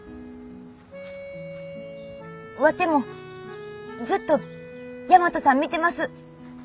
ワテもずっと大和さん見てます。